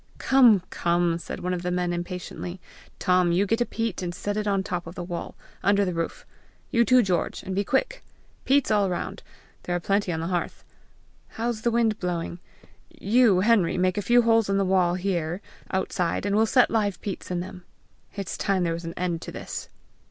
"Come, come!" said one of the men impatiently. "Tom, you get a peat, and set it on the top of the wall, under the roof. You, too, George! and be quick. Peats all around! there are plenty on the hearth! How's the wind blowing? You, Henry, make a few holes in the wall here, outside, and we'll set live peats in them. It's time there was an end to this!"